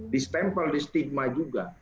distempel di stigma juga